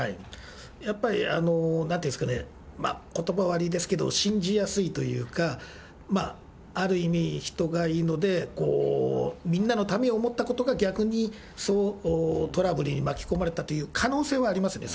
やっぱりなんていうんですかね、ことば悪いですけど、信じやすいというか、ある意味、人がいいので、みんなのためを思ったことが、逆にトラブルに巻き込まれたという可能性はありますね。